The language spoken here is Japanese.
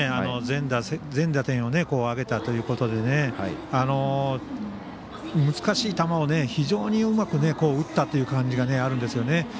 全打点を挙げたということで難しい球を非常にうまく打ったという感じがあるんですね。